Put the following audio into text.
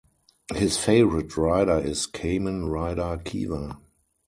His favorite Rider is Kamen Rider Kiva.